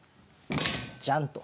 ジャンと。